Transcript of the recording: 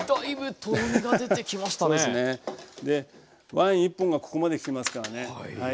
ワイン１本がここまできてますからね。